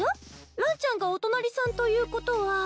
ランちゃんがお隣さんということは。